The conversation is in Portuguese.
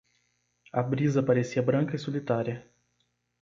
A brisa parecia branca e solitária.